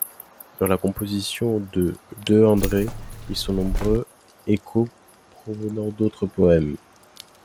Dans la composition de De Andrè ils sont nombreux échos provenant d'autres poèmes.